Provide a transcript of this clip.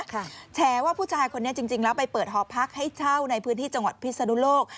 แฉว่าผู้ชายคนนี้จริงจริงแล้วไปเปิดหอพักให้เช่าในพื้นที่จังหวัดพิศนุโลก